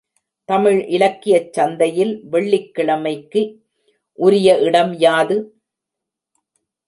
தமிழ் இலக்கியச் சந்தையில் வெள்ளிக்கிழமை க்கு உரிய இடம் யாது?